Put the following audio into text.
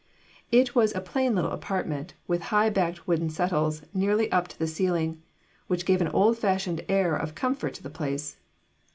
It was a plain little apartment, with high backed wooden settles nearly up to the ceiling, which gave an old fashioned air of comfort to the place.